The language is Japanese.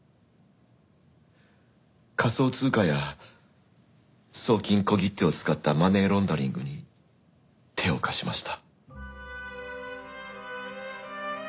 仮想通貨や送金小切手を使ったマネーロンダリングに手を貸しました。